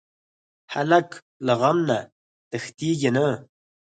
هلک له غم نه تښتېږي نه.